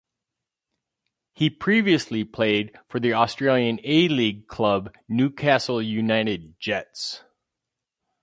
He previously played for the Australian A-League club Newcastle United Jets.